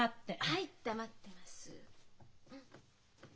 はい黙ってます。